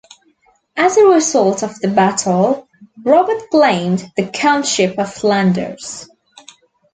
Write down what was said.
As a result of the battle Robert claimed the countship of Flanders.